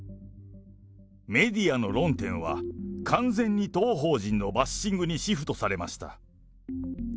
メディアの論点は、完全に当法人のバッシングにシフトされました。